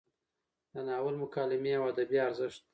د ناول مکالمې او ادبي ارزښت: